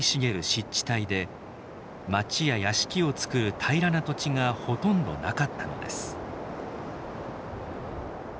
湿地帯で町や屋敷をつくる平らな土地がほとんどなかったのです